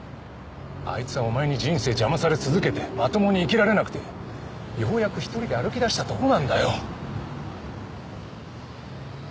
あいつはお前に人生邪魔され続けてまともに生きられなくてようやく１人で歩きだしたとこなんだよ。